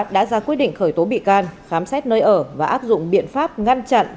đã ra quyết định khởi tố bị can khám xét nơi ở và áp dụng biện pháp ngăn chặn